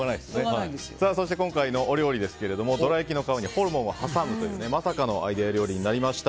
そして今回のお料理ですがどら焼きの皮にホルモンを挟んでまさかのお料理になりました。